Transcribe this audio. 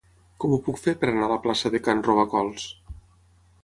Com ho puc fer per anar a la plaça de Can Robacols?